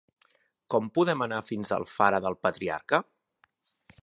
Com podem anar fins a Alfara del Patriarca?